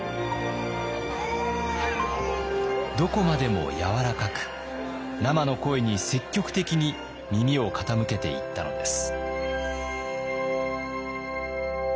どこまでもやわらかく生の声に積極的に耳を傾けていったのです。